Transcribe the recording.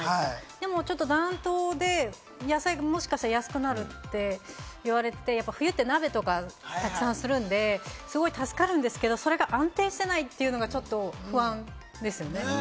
でも暖冬で野菜がもしかしたら安くなるって言われて、冬って鍋とかたくさんするんで、すごい助かるんですけれども、それが安定ないというのがちょっと不安ですよね。